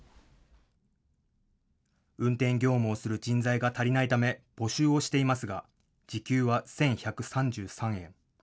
運転業務をする人材が足りないため募集をしていますが時給は１１３３円。